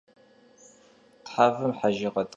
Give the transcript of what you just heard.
Thevım hejjığe t'ek'u xelhhe.